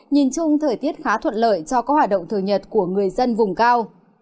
nhìn chung thời tiết khá thuận lợi cho các hoạt động thường nhật của người dân vùng cao